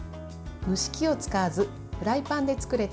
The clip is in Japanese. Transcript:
蒸し器を使わずフライパンで作れて